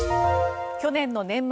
去年の年末